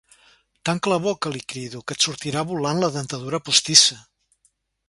Tanca la boca —li crido—, que et sortirà volant la dentadura postissa!